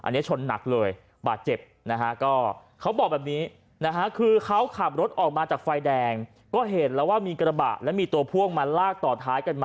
แต่เจ็บนะฮะก็เขาบอกแบบนี้นะฮะคือเขาขับรถออกมาจากใจแดงก็เห็นหลังว่ามีกระบะและมีตัวพ่วงล่าต่อท้ายกันมา